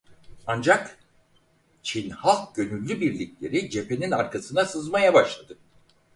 Ancak "Çin Halk Gönüllü birlikleri" cephenin arkasına sızmaya başladı.